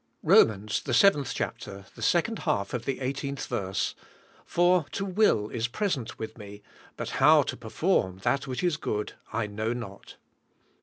Romans, the seventh chapter, the second half of the eighteenth verse: "For to will is present with me, but how to perform that which is good, I know not."